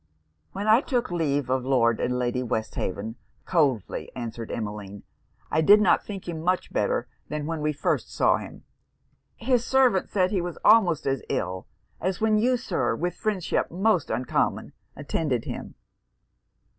'When I took leave of Lord and Lady Westhaven,' coldly answered Emmeline, 'I did not think him much better than when we first saw him. His servant said he was almost as ill as when you, Sir, with friendship so uncommon, attended him.'